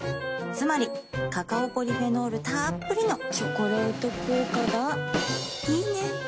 つまりカカオポリフェノールたっぷりの「チョコレート効果」がいいね。